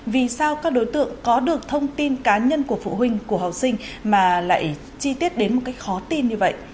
vì sao các đối tượng có được thông tin cá nhân của phụ huynh của học sinh mà lại chi tiết đến một cách khó tin như vậy